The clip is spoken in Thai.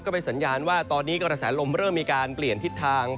ไปสัญญาณว่าตอนนี้กระแสลมเริ่มมีการเปลี่ยนทิศทาง